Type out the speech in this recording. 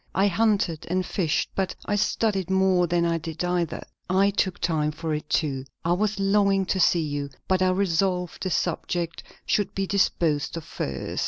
I hunted and fished; but I studied more than I did either. I took time for it too. I was longing to see you; but I resolved this subject should be disposed of first.